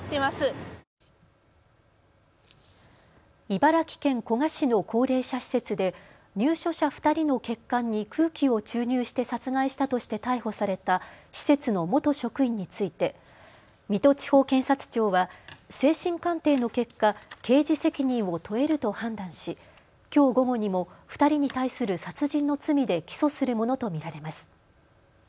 茨城県古河市の高齢者施設で入所者２人の血管に空気を注入して殺害したとして逮捕された施設の元職員について水戸地方検察庁は精神鑑定の結果、刑事責任を問えると判断しきょう午後にも２人に対する殺人の罪で起訴するものと見られます。